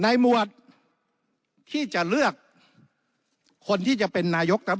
หมวดที่จะเลือกคนที่จะเป็นนายกครับ